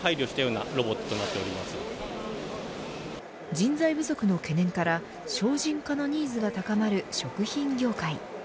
人材不足の懸念から省人化のニーズが高まる食品業界。